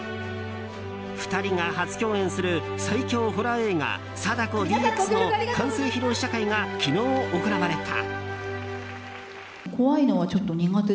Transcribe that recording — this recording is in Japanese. ２人が初共演する最恐ホラー映画「貞子ＤＸ」の完成披露試写会が昨日行われた。